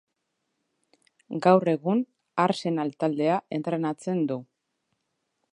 Gaur egun, Arsenal taldea entrenatzen du.